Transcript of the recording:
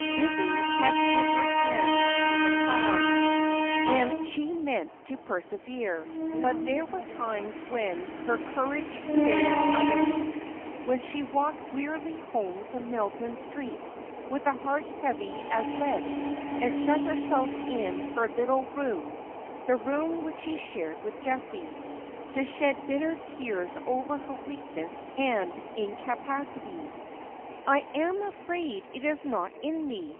Lizzie had put her hand to the plough, and she meant to persevere : but there were times when her c:>urage failed utterly, when she walked wearily home to ililton Street with a heart heavy as lead, and shut herself in her iittie rooai — the room which she shared with Jessie — to shed bitter tears over her weakness and incapacity. ' I am afraid it is not in nie